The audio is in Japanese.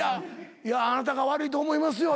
いやあなたが悪いと思いますよ。